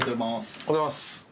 おはようございます。